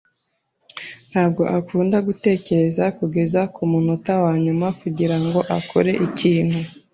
Ntabwo akunda gutegereza kugeza kumunota wanyuma kugirango akore ikintu.